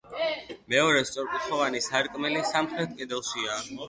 მეორე სწორკუთხოვანი სარკმელი სამხრეთ კედელშია.